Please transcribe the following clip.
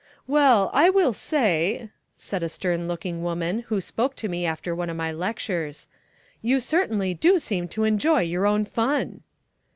"Well, I will say," said a stern looking woman who spoke to me after one of my lectures, "you certainly do seem to enjoy your own fun."